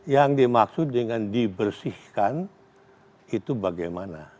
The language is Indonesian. yang dimaksud dengan dibersihkan itu bagaimana